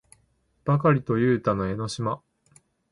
ばかりとゆうたと江の島